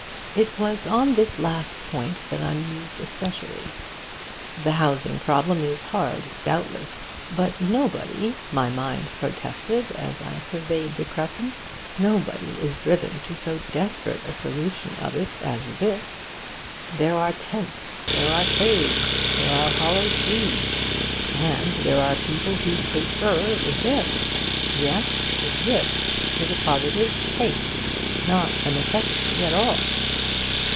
It was on this last point that I mused especially. The housing problem is hard, doubtless; but nobody, my mind protested as I surveyed the crescent, nobody is driven to so desperate a solution of it as this! There are tents, there are caves, there are hollow trees...and there are people who prefer this! Yes, 'this' is a positive taste, not a necessity at all.